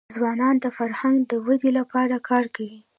ځوانان د فرهنګ د ودي لپاره کار کوي.